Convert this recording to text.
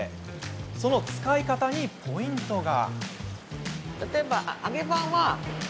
その使い方にポイントが。